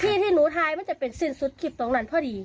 ที่ที่หนูทายมันจะเป็นสิ้นสุดคลิปตรงนั้นพอดี